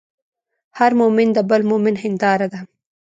هر مؤمن د بل مؤمن هنداره ده.